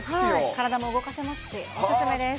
体も動かせますし、お勧めです。